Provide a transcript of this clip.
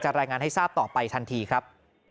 รายงานให้ทราบต่อไปทันทีครับ